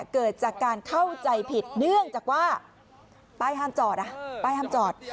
เกิดจากการเข้าใจผิดเนื่องจากว่าป้ายห้ามจอด